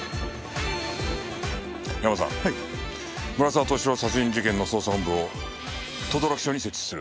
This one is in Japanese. ヤマさん村沢利朗殺人事件の捜査本部を等々力署に設置する。